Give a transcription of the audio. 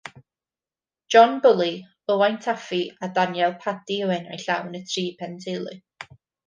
John Bully, Ywain Taffi, a Daniel Paddy yw enwau llawn y tri penteulu.